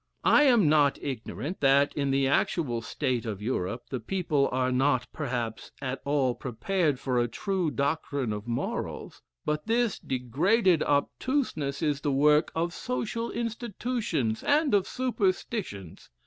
I am not ignorant that, in the actual state of Europe, the people are not, perhaps, at all prepared for a true doctrine of morals; but this degraded obtuseness is the work of social institutions and of superstitions.